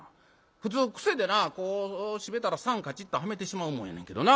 普通癖でなこう閉めたら桟カチッとはめてしまうもんやねんけどな。